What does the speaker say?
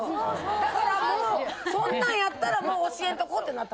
だからもうそんなんやったらもう教えんとこってなった。